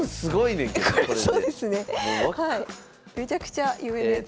めちゃくちゃ有名なやつ。